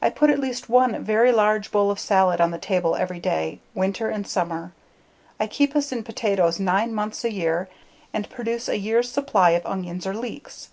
I put at least one very large bowl of salad on the table every day, winter and summer. I keep us in potatoes nine months a year and produce a year's supply of onions or leeks.